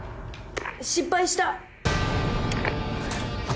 失敗した。